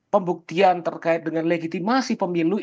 pembuktian terkait dengan legitimasi pemilu